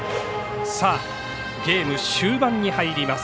ゲーム終盤に入ります。